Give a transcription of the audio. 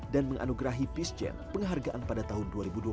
dan menganugerahi peacegen penghargaan pada tahun dua ribu dua puluh tiga